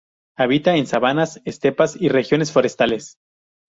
Habita en sabanas, estepas y regiones forestales.